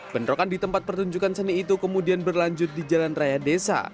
bentrokan di tempat pertunjukan seni itu kemudian berlanjut di jalan raya desa